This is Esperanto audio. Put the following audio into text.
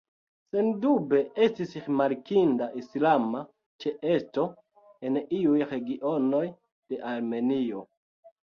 Sendube, estis rimarkinda islama ĉeesto en iuj regionoj de Armenio.